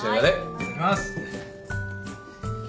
いただきます。